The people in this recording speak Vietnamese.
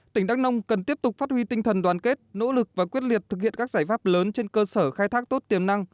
tỉnh đắk nông cần tiếp tục phát huy tinh thần đoàn kết nỗ lực và quyết liệt thực hiện các giải pháp lớn trên cơ sở khai thác tốt tiềm năng